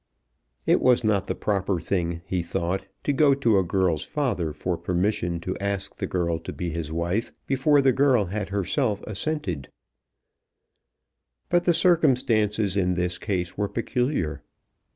It was not the proper thing, he thought, to go to a girl's father for permission to ask the girl to be his wife, before the girl had herself assented; but the circumstances in this case were peculiar.